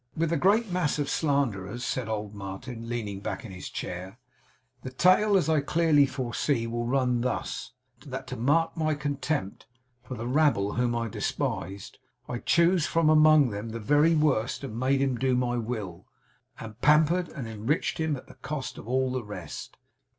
'With the great mass of slanderers,' said old Martin, leaning back in his chair, 'the tale, as I clearly foresee, will run thus: That to mark my contempt for the rabble whom I despised, I chose from among them the very worst, and made him do my will, and pampered and enriched him at the cost of all the rest.